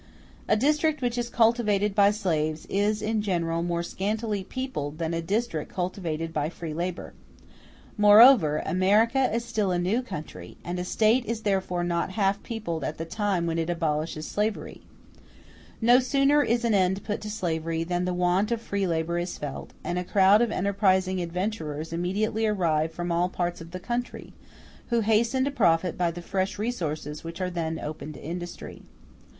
A district which is cultivated by slaves is in general more scantily peopled than a district cultivated by free labor: moreover, America is still a new country, and a State is therefore not half peopled at the time when it abolishes slavery. No sooner is an end put to slavery than the want of free labor is felt, and a crowd of enterprising adventurers immediately arrive from all parts of the country, who hasten to profit by the fresh resources which are then opened to industry.